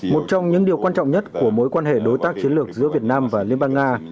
một trong những điều quan trọng nhất của mối quan hệ đối tác chiến lược giữa việt nam và liên bang nga